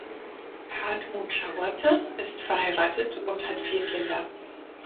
Hartmut Schauerte ist verheiratet und hat vier Kinder.